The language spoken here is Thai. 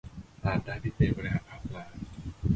อาจได้พิเศษ บริหารภาพลักษณ์